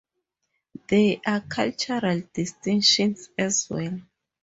There are cultural distinctions, as well.